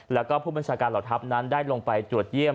แล้วก็ผู้บัญชาการเหล่าทัพนั้นได้ลงไปตรวจเยี่ยม